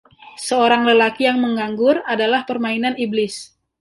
Seorang lelaki yang menganggur adalah permainan iblis.